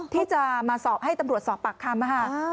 ที่จะมาสอบให้ตำรวจสอบปากคำ